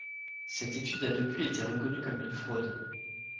Cette étude a depuis été reconnue comme une fraude.